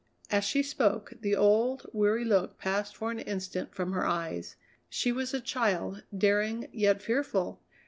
As she spoke, the old, weary look passed for an instant from her eyes; she was a child, daring, yet fearful!